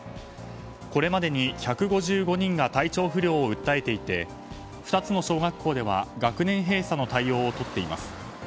これまでに１５５人が体調不良を訴えていて２つの小学校では学年閉鎖の対応をとっています。